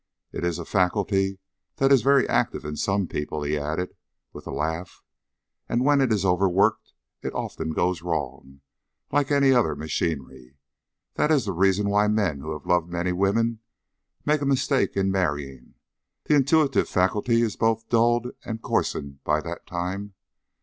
It is a faculty that is very active in some people," he added with a laugh, "and when it is overworked it often goes wrong, like any other machinery. That is the reason why men who have loved many women make a mistake in marrying; the intuitive faculty is both dulled and coarsened by that time.